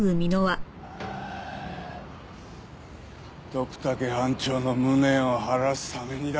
徳武班長の無念を晴らすためにだ。